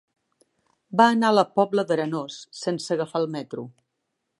Va anar a la Pobla d'Arenós sense agafar el metro.